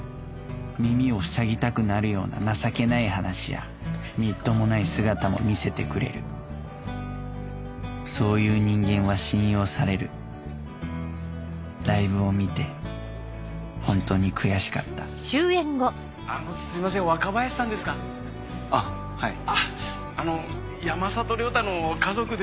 耳をふさぎたくなるような情けない話やみっともない姿も見せてくれるそういう人間は信用されるライブを見て本当に悔しかったあのすいません若林さんであっはい母です